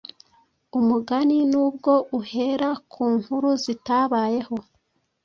Umugani n’ubwo uhera ku nkuru zitabayeho,